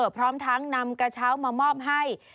พร้อมทั้งนำกระเช้ามามอบให้